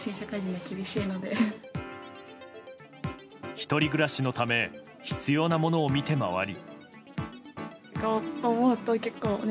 １人暮らしのため必要なものを見て回り。